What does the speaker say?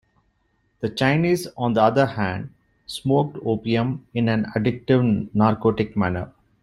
The Chinese, on the other hand, smoked opium in an addictive narcotic manner.